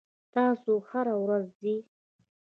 تاسو هره ورځ ځئ؟